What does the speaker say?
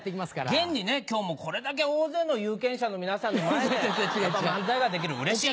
現に今日もこれだけ大勢の有権者の皆さんの前で漫才ができるうれしい。